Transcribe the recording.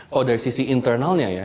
kalau dari sisi internalnya ya